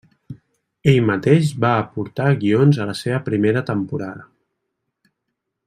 Ell mateix va aportar guions a la seva primera temporada.